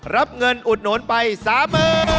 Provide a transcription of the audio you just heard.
รับเงินอุดหนุนไป๓๐๐๐บาท